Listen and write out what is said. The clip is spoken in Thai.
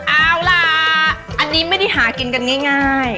เอาล่ะอันนี้ไม่ได้หากินกันง่าย